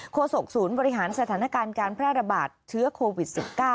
ศกศูนย์บริหารสถานการณ์การแพร่ระบาดเชื้อโควิด๑๙